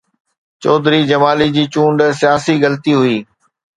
چوڌري جمالي جي چونڊ سياسي غلطي هئي.